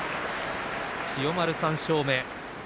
千代丸３勝目。